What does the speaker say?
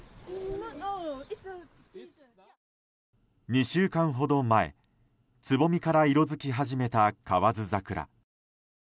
２週間ほど前つぼみから色づき始めた河津桜。